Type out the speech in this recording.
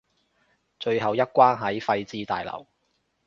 最後一關喺廢置大樓